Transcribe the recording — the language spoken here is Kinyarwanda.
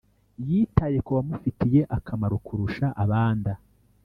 yitaye kubamufitiye akamaro kurusha abanda